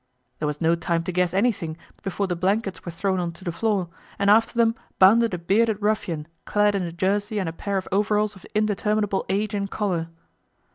There was no time to guess anything before the blankets were thrown on to the floor, and after them bounded a bearded ruffian clad in a jersey and a pair of overalls of indeterminable age and colour.